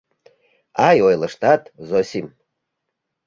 — Ай, ойлыштат, Зосим!